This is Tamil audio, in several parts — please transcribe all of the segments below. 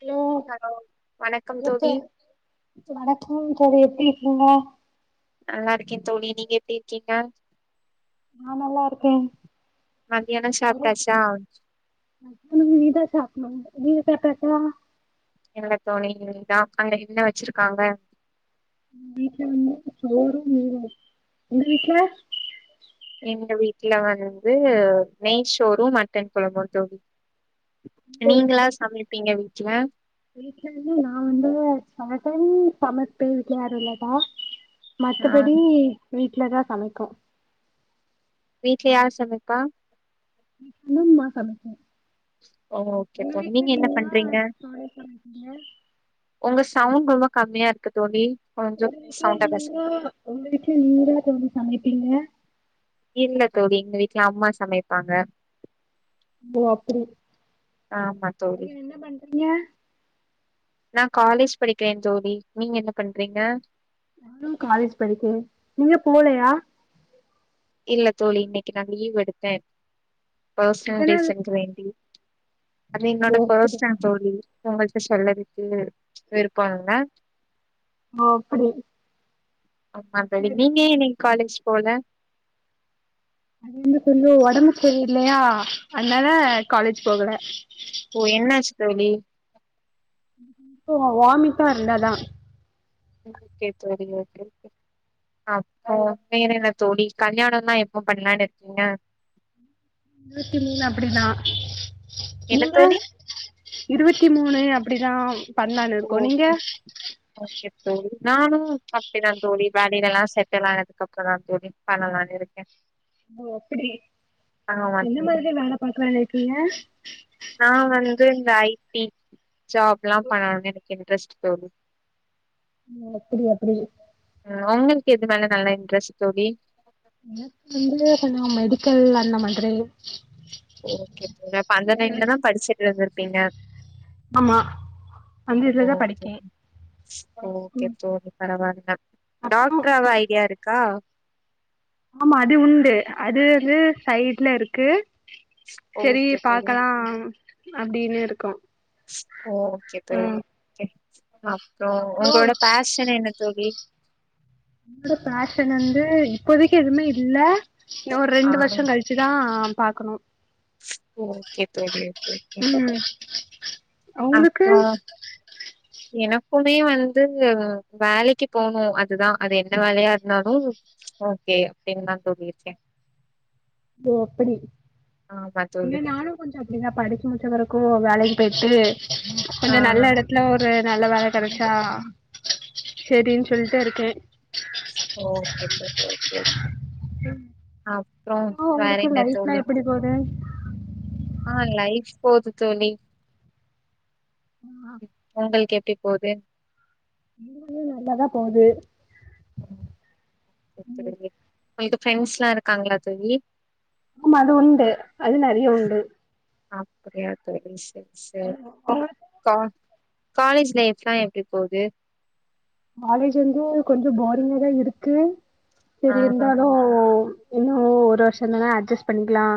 ஹலோ ஹலோ வணக்கம் தோழி சிஸ்டர் வணக்கம் தோழி எப்டி இருக்கீங்க நல்லா இருக்கே தோழி நீங்க எப்டி இருக்கீங்க நா நல்லா இருக்கே மத்தியானோ சாப்ட்டாச்சா மதியோ இனி தா சாப்படணு நீங்க சாப்டாச்சா இல்ல தோழி இனி தா அந்த என்ன வெச்சுருக்காங்க வீட்ல வந்து சோரு மீனு உங்க வீட்ல எங்க வீட்ல வந்து நெய் ஷோரு மட்டன் கொழம்பு தோழி ஓ நீங்ளா அப்டி. சமைப்பீங்க வீட் [unintelligible] வீட்ல வந்து நா வந்து சமைப்பே சமைக்குறதுக்கு யாரு இல்லடா ஆ மத்தபடி வீட் வீட்ல தா சமைக்கு வீட்ல யாரு சமைப்பா ம்மா சமைக்கு ஓ ஓகே உங்க தோழி வீட்ல நீங்க என்னா நீங்களா பண்றீங்க தோழி சமைப்பீங்க உங்க ஸ் சவுண்ட் ரொம்ப கம்மியா இருக்கு தோழி கொஞ்சோ ஒங்க சவுண்டா பேசுங்க வீட்ல நீங்ளா தோழி சமைப்பீங்க இல்ல தோழி எங்க வீட்ல அம்மா சமைப்பாங்க ஓ அப்டி ஆமா தோழி நீங்க என்ன பண்றீங்க நா காலேஜ் படிக்குறே தோழி நீங்க என்ன பண்றீங்க நானு காலேஜ் படிக்குறே நீங்க போலையா இல்ல தோழி இன்னிக்கு நா லீவ் எடுத்தே பேர்சனல் எதனால ரீசனுக்கு வேண்டி அது என்னோட ஓ அப்படி பெர்ஸ்னல் தோழி உங்க கிட்ட சொல்லறக்கே விருப்போ இல்ல ஓ அப்படி ஆமா தோழி சரி நீங்க ஏ இனி காலேஜ் போல அது வந்து கொஞ்ஜோ ஒடம்பு செரி இல்லையா அதனால காலேஜ் போகல ஓ என்னாச்சு தோழி வாமிட்டா இருந்ததா ஓகே தோழி ஓகே அப்றோ வேற என்ன தோழி கல்யாணோ தா எப்ப பண்ணலானு இருக்கீங்க இருவத்தி மூனு அப்டி தா என்ன நீங்க தோழி இருவத்தி மூனு அப்டி தா பண்ணாலு இருக்கோ நீங்க ஓகே ஓகே தோழி நானு அப்டி தா தோழி வேலல்லா செட்டில் ஆனதுக்கு அப்ற தோழி பண்ணலான் இருக்கேன் ஓ அப்டி ஆமா என்ன தோழி மாரி வேலை பாக்கறாளே நீங்க நா வந்து இந்த ஐ டி ஜாப் எல்லா பண்ணணு எனக் இன்ரெஸ்ட் தோழி ம் எப்புடி அப்புடி அவுங்களுக்கு எது மேல நல்ல இன்ரெஸ்ட் தோழி எனக்கு வந்து கொஞ்ச மெடிக்கல் அந்த மாதிரி ஓகே தோழி அப்ப அந்த லைன்லதான் படிச்சிட்டு இருந்துப் பிங்க ஆமா அந்த இதுலதா ஓகே படிக்கே தோ ஓகே தோழி பரவால்ல இந்த அப்புறோ டாக்ட்ராவ ஐடியா இருக்கா ஆமா அது உண்டு அது வந்து சைய்டுல இருக்கு செரி ஓகே தோழி பாக்கலாம் அப்டின்னு இருக்கா ஓகே தோழி ஓகே அப்றோ ஒங்களோட பேஷன் என்ன தோழி என்னோட பேஷன் வந்து இப்போதைக்கு எதுமே இல்ல இன்னோ ஒரு ஆ ரெண்டு வருஷம் கழிச்சுதா பாக்கணு ஓகே தோழி ஓகே ஓகே ம் உங்களுக்கு அப்றோ எனக்குமே வந்து வேலக்கு போணு அதுதா அது என்ன வேலையா இருந்தாலும் ஓகே அப்டின்னுதா தோழி இருக்கேன் ஓ அப்புடி ஆமா இல்ல தோழி நானு கொஞ்ச அப்டிதா படிச்சு முடிச்சவரைக்கும் வேலக்கு போச்சு ஆ கொஞ்ச நல்ல எடத்துல ஒரு நல்ல வேல கெடச்சா செரின்னு சொல்லிட்டு இருக்கே ஓகே தோழி ஏ அ அப்றோ வேற உங்களுக்கு என்ன தோழி லைஃப்ல்லா எப்படி போது ஆ லைஃப் போது தோழி உங்களுக் எப் டி போது இதுவு நல்லாதா போது [unintelligible] உங்களுக்கு ஃப்ரெண்ஸ்லா இருக்காங்களா தோழி ஆமா அது உண்டு அது நறையா உண்டு [unintelligible] சேரி கா காலேஜ் லைஃப்லா எப்டி போது காலேஜ் வந்து கொஞ்ச போரிங்காதா இருக்கு ஆ சேரி இருந்தாலு இன்னு ஒரு வருஷந்தான அட்ஜஸ்ட் பண்ணிக்கலா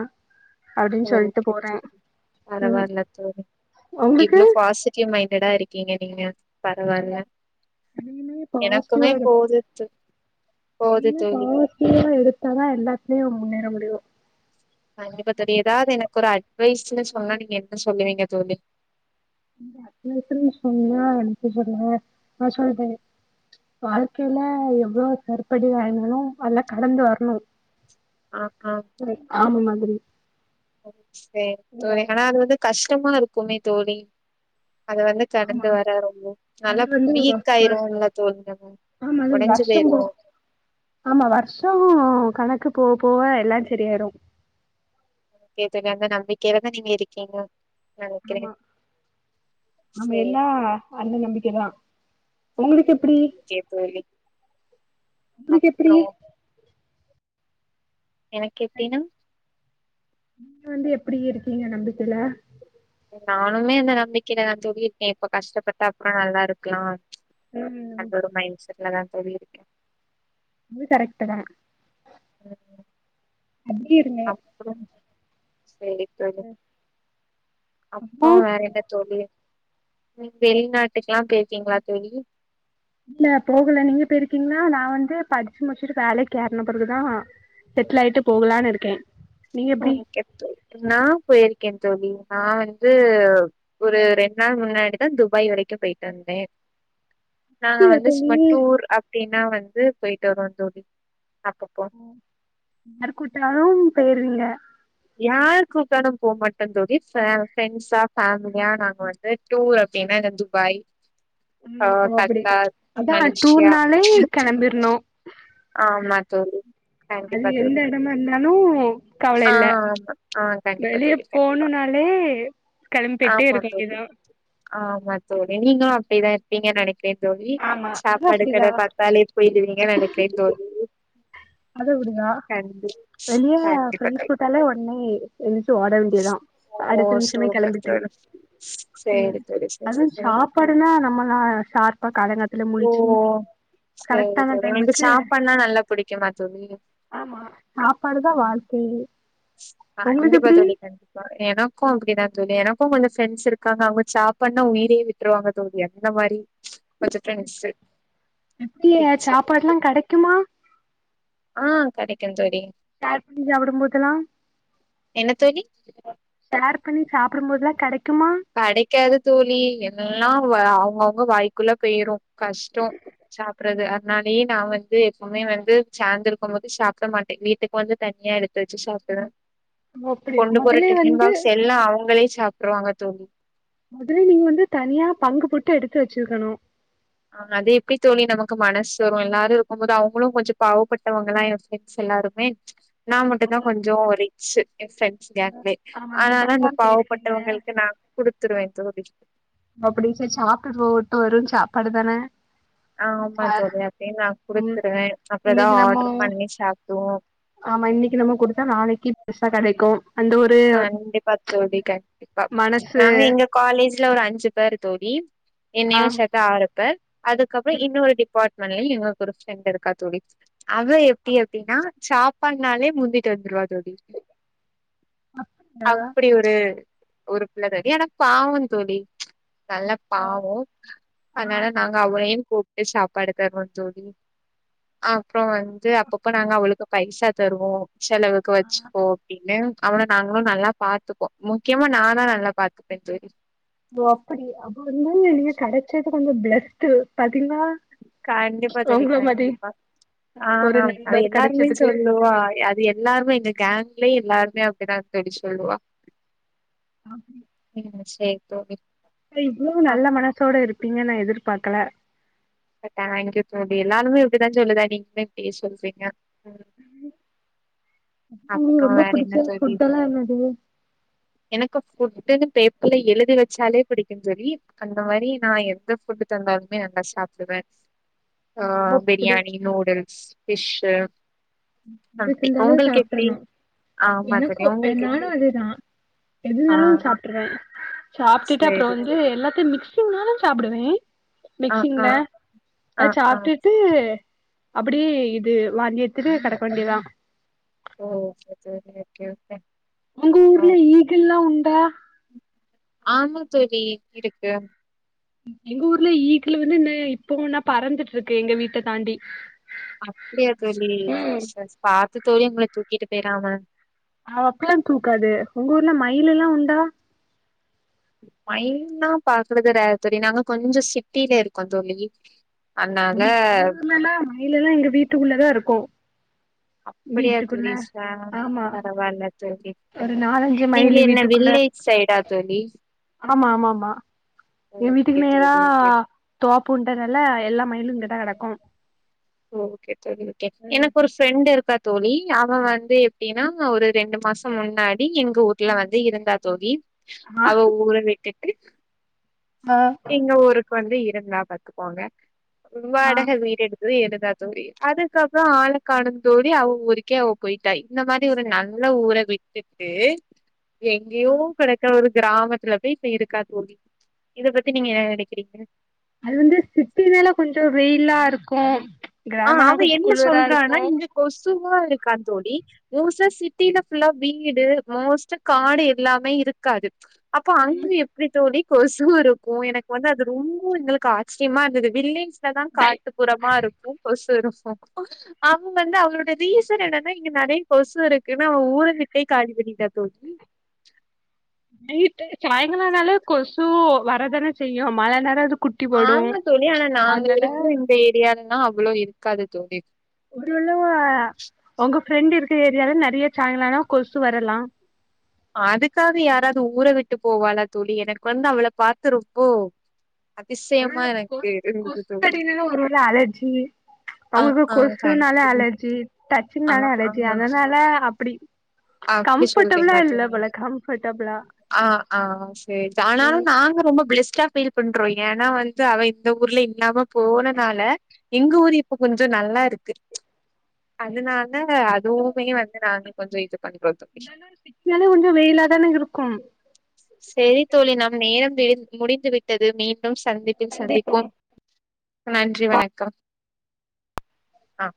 அப்டின்னு சொல்ட்டு ஓகே போறே [unintelligible] ம் பரவாயில்ல தோழி உங்களுக்கு இவ்ளோ பாசிட்டிவ் மைண்ட் ஃப்டெடா இருக்கீங்க நீங்க பரவாயில்ல இனிமே பாசிட்டிவா [unintelligible] தோ போது நீனே தோழி பாசிட்டிவா எடுத்தாதா எல்லாத்துலயு முன்னேற முடியு [unintelligible] கண்டிப்பா தோழி ஏதாது எனக்கு ஒரு அட் வயசுல சொன்னா நீங்க என்ன சொல்லுவீங்க தோழி அது [unintelligible] எப்டி சொன்னா அப்ப [unintelligible] நா சொல்றே ஆ வாழ்கைல எம் வ்ளோ செருப்படிவாங்னாலு அதல்லா கடந்து வரணு சே ஆமாமேம் சரி சேரி தோழி ஆனா அது வந்து கஷ்டமா இருக்குமே தோழி அத வந்து ஆமா கடந்து வர ரொம்ப அது நல்லா வந்து வ- வீக் வ- ஆயிருவோல தோழி நம்மோ ஆமா அது உடஞ்சு வருஷம் போயிருவோ போக போவ போவ எல்லா சரியாயிடு கேதுகந்த நம்பிக்கைலதா நீங்க இருக்கீங்க ஆமா நாம சேரி எல்லா அண்ண நம்பிக்கைதா உங்களுக்கு எப் சே தோழி இதுக்கு எப்பிடி அப்றோ எனக்கு எப்பிடினா அது எப்பிடி இருக்கீங்க நம்பிக்கையில நானுமே அந்த நம்பிக்கையிலதா தோழி இருக்கே இப்ப கஷ்டப்பட்டா அப்புறோ நல்லா இருக்கலா ம்ம் ட்டுலதா தோழி இருக்கே அது கரெக்ட்டுதா அப்புறோ சேரி தோழி அப்போ அப்புறோ வேற என்ன தோழி ம் வெளிநாட்டுக்குல்லா பேயிருக்கீங்களா தோழி இல்ல போகல நீங்க போயிருக்கீங்கலா நா வந்து படிச்சி முடிச்சிட்டு வேலைக்கு ஏறன பிறகுதா செட்டில் ஆயிட்டு போகலான் இருக்கே நீங்க எப்டி ஓகே தோழி நா போயிரு க்கே தோழி நா வந்து ஒரு ரெண்டு நாள் முன்னாடிதா துபாய் வெரைக்கோ போயிட்டு வந்தே நாங்க இல்ல வந்து தோழி சுமடூர் அப்பிடின்னா வந் ந்து போயிட்டு வரோ தோழி அப்பப்போ யார் கூட்டாலோ போயிருவீங்க யாரு கூப்டாலோ போ மட்டே தோழி ஃபே ஃபிரெண்ட்ஸா ஃபேமிலியா நாங்க வந்து டூர் அப்பிடின்னா இந்த துபாய் ஆ ம் அப்பிடி கத்தார் அதா மலேசியா டூர்னாலே கெளம்பிருனு ஆமா தோழி கண்டிப்பா தோழி எடமா இருந்தாலு கவல ஆ இல்ல ஆமா ஆ கண்டிப்பா வெளிய தோழி கண்டிப்பா போணுனாலே கெளம்பிட்டே ஆமா இருக்க தோழி வேண்டியதா ஆமா தோழி நீங்களோ அப்பிடிதா இருப்பீங்கன்னு நெனைப் பே தோழி ஆமா அது சாப்பாடு கட அப்டிதா பாத்தாலே போயிடுவீங்க நென தோழி அத விடயா கண்டி வெளிய கண்டிப்பா தோழி. ஃப்ரெண்ட்ஸ் கூட்டாலே ஒனே எந்திச்சி ஓட வேண்டியதா ஓ அடுத்த நிமிஷமே சூப்பர் கெளம்பிட்டு தோழி ம் சேரி தோழி சேரி அதுவோ சேரி சாப்பாடுனா நம்மல்லா ஷார்பா காலங்காத்தாலயே ஓ முழுச்சி கரெக்டான டைம்முக் சாப்பானா நல்ல ஆமா சாப்பாடுதா ஆமா. வாழ்க்கையே உங்களுக்கு கண்டிப்பா எப்டி தோழி கண்டிப்பா எனக்கு அப்பிடிதா தோழி எனக்கு கொஞ்சோ ஃப்ரெண்ட்ஸ் இருக்காங்க அவங்க சாப்பாடுனா உயிரையே விட்ருவாங்க தோழி அந்த மாரி கொஞ்ச ஃப்ரெண்ட்ஸு எப்டிக சாப்பாடுல்லா கெடைக்குமா? ஆ கெடைக்கு தோழி. ஷேர் பண்ணி சாப்படும்போதெல்லா என்ன தோழி ஷேர் பண்ணி சாப்படும்போதெல்லா கெடைக்குமா கெடைக்காது தோழி எல்லா வ அவங்கவுங்க வாய்க்குள்ள போயிரு கஷ்டோ சாப்புடுறது அதனாலயே நா வந்து எப்போமே வந்து சேந்து இருக்கும்போது சாப்ட மாட்டே வீட்டுக்கு வந்து தனியா எடுத்து வெச்சு சாப்டுவே ஓ அப்டி கொண்டு போற மொதலே டிஃபன் வந்து பாக்ஸ் எல்லா அவங்களே சாப் ட்ருவாங்க தோழி மொதல்ல நீங்க வந்து தனியா பங்கு போட்டு எடுத்து வெச்சிருக்கண் ஆ அது எப்டி தோழி நமக்கு மனசு வரு எல்லாரு இருக்கும்போது அவங்களு கொஞ்சோ பாவப்பட்டவங்களா ஏன் ஃப்ரெண்ட்ஸ் எல்லாருமே நா மட்டுந்தா கொஞ்சோ ரிச்சு ஏன் ஃப்ரெண்ட்ஸ் கேங்ளயே ஆமா அதனாலதா துபாய்லா அந்த போயிருக்கீங்க பாவப்பட்டவங்களுக்கு நா குடு த்துருவ தோழி ஓ அப்பிடி சேரி சாப்ட்டுட்டு போகுட்டு வெறு சாப்பாடுதானே? ஆமா தோழி அப்டினு நா ம் குடுத்துருவே அப்றோ இன்னைக்கு எதாவது நம்மோ ஆர்டர் பண்ணி சாப் டுவோ ஆமா இன்னைக்கி நம்ம குடுத்தா நாளைக்கி பெருசா கெடைக்கு அந்த ஒரு கண்டிப்பா தோழி கண்டிப்பா மனசு நாங்க எங்க காலேஜ்ல ஒரு அஞ்சு பேர் தோழி ஆ என்னையு சேத்தா ஆறு க அதுக்கப்புறோ இன்னொரு டிபார்ட் மெண்ட்ல எங்களுக்கு ஒரு ஃப்ரெண்ட் இருக்கா தோழி. அவ எப்டி அப்டின்னா சாப்பாடுன்னாலே முந்திட்டு வந்துருவா தோழி. அப்பிடி ஒரு ஒரு பிள்ள அது அதேயானா பாவோந் தோழி நல்ல பாவோ ஆ அதனால நாங்க அவளையு கூப்ட்டு சாப்பாடு தருவோ தோழி ஆ இப்ப வந்து அப்பப்ப நாங்க அவளு க்கு பைசா தருவோ செலவுக்கு வச்சுக்கோ அப்டின்னு அவள நாங்களு நல்லா பாத்துப்போ முக்கியமா நான்தா நல்லா பாத்துப்பே தோழி ஓ அப்பிடியா அப்ப வந்து நீங்க கெடச்சது ப்ப கொஞ்சோ பிளஸ்டு பட் கண்டிப்பா தொழி மாரி கண்டிப்பா ஆ ஒரு அது நண்பர் எல்லாருமே கெடச்சதுக்கு சொல்லுவா அது எல்லாருமே இந்த கேங் ங்லே எல்லாருமே அப்டிதா தோலி சொல்லுவா உ சேரி தோழி அ இவ்ளோ அப்ப நல்ல மனசோட இருப்பீங்கன நா எதிர்ப் பாக்கல டேங்க்யு தோழி எல்லாருமே இப்டித்தா சொல்லுதா நீங்களு இப்டியே சொல்றீங்க உங்களுக்கு அப்றோ ரொம்ப வேற என்ன புடிச்ச தோலி ஃபுட் எல்லா என்னது எனக்கூ ஃபுட்டுனு பேப் இல்ல எழுதி வச்சாலே பிடிக்கு தோழி அந்த மாரி நா எந்த ஃபுட் தந்தாலுமே நல்லா சாப் டுவே ஆ ஓ அப்டி பிரியாணி நூடுல்ஸ் ஃபிஷ்ஷு எது சம்தி தந்தாலு உங்களுக்கு எப்டி? சாப்ட்றணு ஆ மாதிரி எனக்கு எ உங்களுக்கு நானு எப்டி? அதேதா ஆ எதுந்தாலு சாப்ட்றே [inaudible] சாப்பிட்டு அப்புற சேரி வந்து சேரி. எல்லாத்தய மிக்சிங்னாலு சாப்டுவே ஆ ஆ மிக்சிங்ல ஆ அத ஆ சாப்டுட்டு அப்டியே இது வாந்தியெடுத் துட்டு கெடக்க வேண்டியதா ஓ சரி ச ஓகேஓகே உங்க ஊர்ல ஈகில்லா உண்டா சேரி இருக்கு எங்க ஊர்ல ஈக்கலு வந்து இப்போனா பறந்துட்டு இருக்கு எங்க வீட்ட தாண்டி அப்டியா தோழி [unintelligible] பாத்துட் தோழி உங்கள தூக்கிட்டு போய்றாம அவ அப்பில்லா தூக்காது உங்க ஊர்ல மயிலுலா உண்டா மயிலா பாக்குறது ரேர் தோழி நாங்க கொஞ்சோ சிட்டில இருக்கோ தோழி அதனால தோழி எங்கஊர்லலா மயிலலா எங்க வீட்டுக்குள்ளதா இருக்கு அப்படியா வீட்டுக்குள்ள தோழி சே ஆமா பரவாயில்ல தோழி ஒரு நாலஞ்சு நீங்க மயிலு என்ன வீட்டுக்குள்ள வில்லேஜ் சைடா தோழி ஆமா ஆமா ஆமா பூன்ட நால எல்லா மயிலு இங்கதா கெடக்கு ஓகே தோழி ஓகே எனக்கு ஒரு ஃப்ரெண்ட் இருக்கா தோழி அவ வந்து எப்டின்னா ஒரு ரெண்டு மாசம் முன்னாடி எங்க ஊர்ல வந்து இருந்தா தோழி ஆ அவ ஊர விட்டு ஆ எங்க ஊருக்கு வந்து இ ருந்தா பாத்துக்கோங்க உள் ஆ, வாடக வீடு எடுத் து எடுத்தா தோழி அதுக்கப்றொ ஆளக் காணு தோழி அவ ஊருக்கே அவ போயிட்டா இந்த மாரி ஒரு நல்ல ஊர விட்டுட்டு எங்கயோ கடக்க ஒரு கிராமத்துல போய் இப்ப இருக்கா தோழி இத பத்தி நீங்க என்ன நெனக்கிறீங்க? அது வந்து சிட்டி னால கொஞ்சொ வெயிலாருக்கு ஆ அவ என்ன சொல்றானா இங்க கொசுவா இருக்கா தோழி மோஸ்ட்டா சிட்டில ஃபுல்லா வீடு மோஸ்ட்டா காடு எல்லாமே இருக்காது அப்ப அங்க எப்டி தோழி கொசு இருக்கு எனக்கு வந்து அது ரொம்ப எங்களுக்கு ஆச்சரியமா இருந்தது வில்லேஜ் லதா நை காட்டுப்புறமா இருக்கு சு இருக்கு அவ வந்து அவளோட ரீசன் என்னனா இங்க நெறைய கொசு இருக்குன்னு அவ ஊர விட்டே காலி பண்ணிட்டா தோழி வீட்டுக்கு சாய்ங்கல ஆனாலெ கொசு வரதானே செய்யு மழ நேர அது குட்டி போடு ஆமா தோழி ஆனா நாங்க அதனால இருக்குற இந்த ஏரியால லா அவ்ளோ இருக்காது தோழி ஃப்ரெண்டு இருக்க ஏரியால நறைய சாய்ங்கால ஆனா கொசு வரலா அதுக்காக யாராவ்து ஊர விட்டு போவாளா தோழி எனக்கு வந்து அவள பாக்குறப்போ ஒருவேள கொ கொசு கடினலா ஒரு வேள அலர்ஜி ஆ, அவுங்களுக்கு ஆ கண்டிப்பா கொசுனால தோழி. அலர்ஜி ஆ, டச்சுன்னால ஆ அலர்ஜி அதனால அப்புடி அப்டி கம்ஃபர்டபிளா இ [unintelligible] ஆ ஆ சேரி ஆனாலு நாங்க ரொம்ப பெஸ்ட்டா ஃபீல் பண்றோ ஏனா வந்து அவ இந்த ஊர்ல இல்லாம போனனால எங்க ஊர் இப்ப கொஞ்சொ நல்லா இருக்கு அதுனா ல அதுவுமே வந்து நானு கொஞ்ச இது கண்டிப்பா தோழி [unintelligible] கொஞ்ச வெயிலாதானே இருக்கும் சேரி தோழி நம் நேரம் வி முடிந்து விட்டது மீண் டும் சந்திப்பில் சந்திப்போம் நன்றி வணக்கம் ஆ